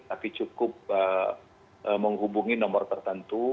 tapi cukup menghubungi nomor tertentu